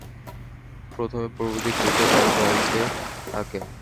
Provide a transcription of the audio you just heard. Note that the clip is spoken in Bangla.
প্রথমে পূর্বদিক হইতে বায়ু বহিতে থাকে।